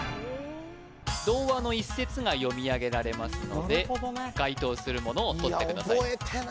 童話の一節が読み上げられますので該当するものをとってください